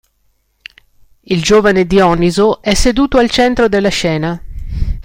Il giovane Dioniso è seduto al centro della scena.